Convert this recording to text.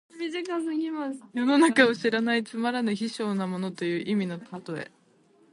世の中を知らないつまらぬ卑小な者という意味の例え。